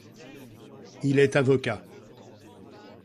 Il est avocat.